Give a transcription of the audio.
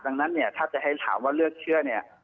ดังนั้นเนี่ยถ้าจะให้ถามว่าเลือกเชื่อเนี่ย